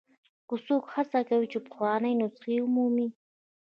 که څوک هڅه کوي چې پخوانۍ نسخې ومومي.